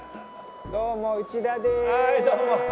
どうも内田です！